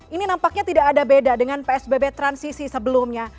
ini nampaknya tidak ada beda dengan psbb transisi sebelumnya